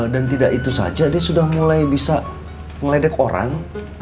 dan tidak itu saja dia sudah mulai bisa ngeledek orang